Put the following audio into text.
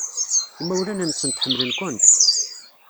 Imawlan-nsent ḥemmlen-kent.